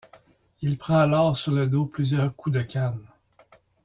Il prend alors sur le dos plusieurs coups de canne.